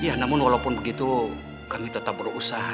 ya namun walaupun begitu kami tetap berusaha